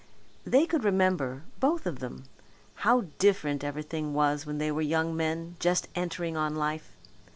They could remember both of them how different everything was when they were young men just entering on life.